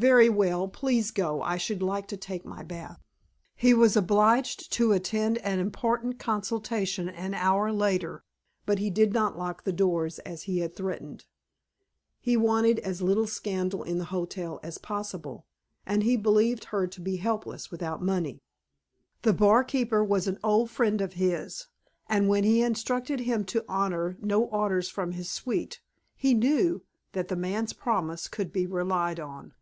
"Very well. Please go. I should like to take my bath." He was obliged to attend an important consultation an hour later, but he did not lock the doors as he had threatened. He wanted as little scandal in the hotel as possible, and he believed her to be helpless without money. The barkeeper was an old friend of his, and when he instructed him to honor no orders from his suite he knew, that the man's promise could be relied on.